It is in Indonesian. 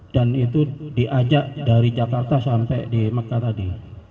dan itu diajak dari jakarta sampai di mekat tadi